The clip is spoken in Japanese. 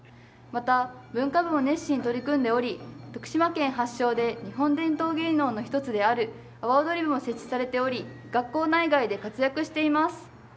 また文化部も熱心に取り組んでおり徳島県発祥で日本伝統芸能の１つである阿波踊り部も設置されており学校内外で活躍しています。